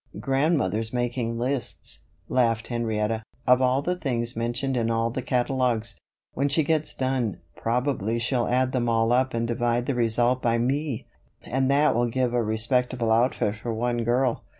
"Grandmother's making lists," laughed Henrietta, "of all the things mentioned in all the catalogues. When she gets done, probably she'll add them all up and divide the result by me; and that will give a respectable outfit for one girl."